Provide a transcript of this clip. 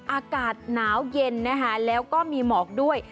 อากาศหนาวเย็นนะคะแล้วก็มีหมอกด้วย